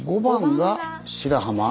５番が白浜。